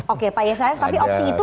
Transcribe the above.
oke pak yesayas tapi opsi itu